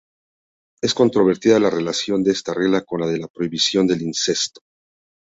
Es controvertida la relación de esta regla con la de la prohibición del incesto.